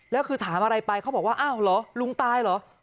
แล้วคือถามอะไรไปเขาบอกว่าอ้าวเหรอลุงตายเหรอ